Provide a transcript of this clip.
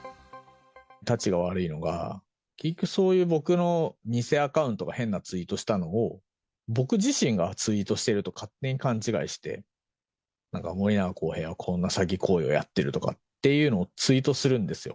たちが悪いのが、そういうぼくの偽アカウントが変なツイートしたのを、僕自身がツイートしてると勝手に勘違いして、なんか森永康平はこんな詐欺行為をやっているとかっていうのをツイートするんですよ。